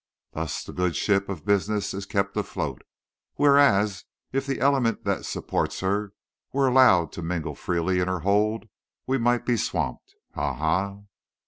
Thus the good ship of business is kept afloat; whereas if the element that supports her were allowed to mingle freely in her hold we might be swamped—ha, ha, ha!"